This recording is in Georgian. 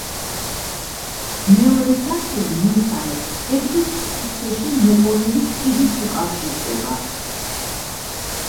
მეორე სართული მესამეს კედლის სისქეში მოწყობილი კიბით უკავშირდება.